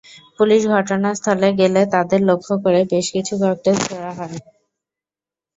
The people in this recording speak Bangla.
পুলিশ ঘটনাস্থলে গেলে তাদের লক্ষ্য করে বেশ কিছু ককটেল ছোড়া হয়।